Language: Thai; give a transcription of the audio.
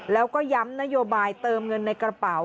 แล้วก็ย้ำนโยบายเติมเงินในกระเป๋า